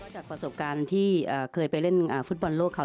จากประสบการณ์ที่เคยไปเล่นฟุตบอลโลกเขา